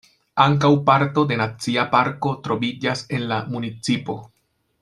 Ankaŭ parto de nacia parko troviĝas en la municipo.